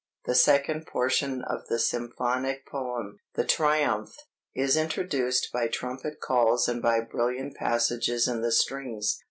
The second portion of the symphonic poem, the "Triumph," is introduced by trumpet calls and by brilliant passages in the strings.